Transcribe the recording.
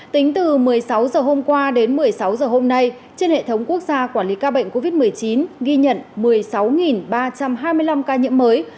tính từ một mươi sáu h hôm qua đến một mươi sáu h hôm nay trên hệ thống quốc gia quản lý ca bệnh covid một mươi chín ghi nhận một mươi sáu ba trăm hai mươi năm ca nhiễm mới